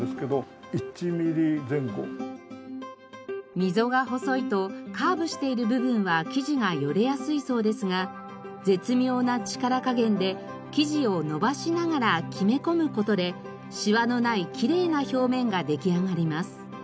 溝が細いとカーブしている部分は生地がよれやすいそうですが絶妙な力加減で生地を伸ばしながら木目込む事でシワのないきれいな表面が出来上がります。